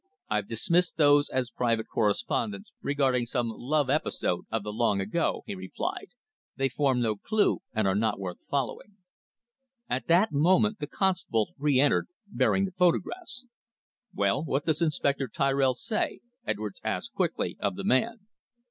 I've dismissed those as private correspondence regarding some love episode of the long ago," he replied. "They form no clue, and are not worth following." At that moment the constable re entered bearing the photographs. "Well, what does Inspector Tirrell say?" Edwards asked quickly of the man.